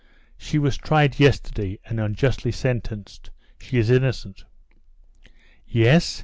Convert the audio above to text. "She was tried yesterday, and unjustly sentenced; she is innocent." "Yes?